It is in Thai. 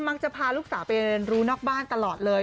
มังจะพาลูกสาวไปรู้นอกบ้านตลอดเลย